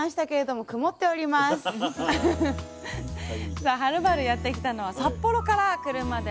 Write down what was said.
さあはるばるやって来たのは札幌から車でおよそ２時間。